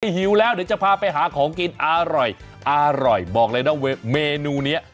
หิวแล้วเดี๋ยวจะพาไปหาของกินอร่อยอร่อยบอกเลยนะเมนูนี้